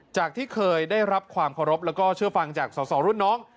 จากที่เคยได้รับความขอรับและเชื่อฟังจากส่อรุ่นน้อง